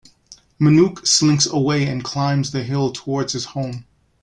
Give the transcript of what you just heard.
Manuk slinks away and climbs the hill towards his home.